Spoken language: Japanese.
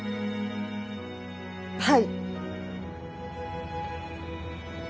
はい。